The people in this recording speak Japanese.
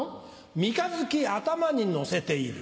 三日月頭にのせている。